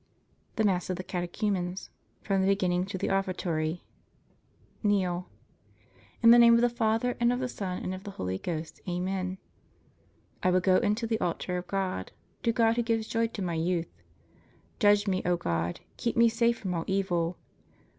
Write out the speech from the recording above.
THE MASS OF THE CATECHUMENS (From the Beginning to the Offertory) Kneel *In the name of the Father, and of the Son, and of the Holy Ghost. Amen. *I will go in to the altar of God, to God Who gives joy to my youth. *Judge me, O God. Keep me safe from all evil.